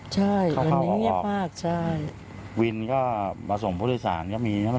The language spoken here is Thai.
ใช่วันนี้เงียบมากวินก็มาส่งผู้โดยสารก็มี